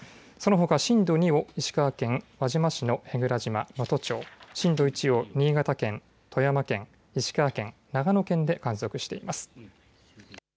そのほか震度２を石川県輪島市の舳倉島能登町、震度１を新潟県、富山県、石川県、長野県で観測しています。